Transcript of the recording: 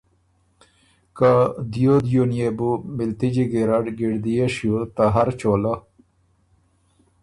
که دیو دیو ن يې بو مِلتِجی ګیرډ ګِړدئے شیو ته هر چولۀ